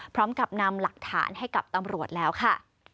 พร้อมกับนำหลักฐานให้กับตำรวจแล้วค่ะ